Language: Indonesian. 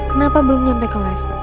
kenapa belum nyampe kelas